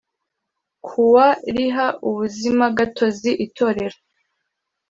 kuwa riha ubuzimagatozi itorero